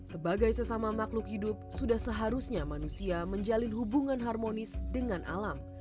sebagai sesama makhluk hidup sudah seharusnya manusia menjalin hubungan harmonis dengan alam